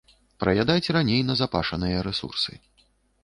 Праядаць раней назапашаныя рэсурсы.